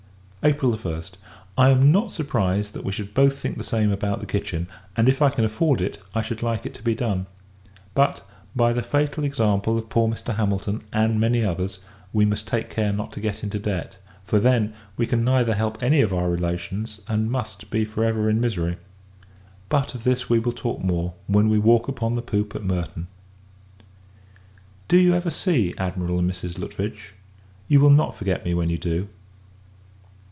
April 1st. I am not surprised that we should both think the same about the kitchen; and, if I can afford it, I should like it to be done: but, by the fatal example of poor Mr. Hamilton, and many others, we must take care not to get into debt; for, then, we can neither help any of our relations, and [must] be for ever in misery! But, of this, we [will] talk more, when we walk upon the poop at Merton. Do you ever see Admiral and Mrs. Lutwidge? You will not forget me when you do.